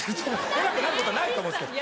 偉くなることはないと思うんですけど。